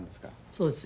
そうです。